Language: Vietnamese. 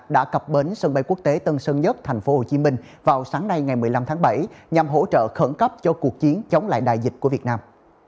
đã cập bến sân bay quốc tế tân sơn nhất tp hcm vào sáng nay ngày một mươi năm tháng bảy nhằm hỗ trợ khẩn cấp cho cuộc chiến chống lại đại dịch của việt nam